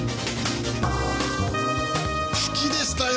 好きでしたよ！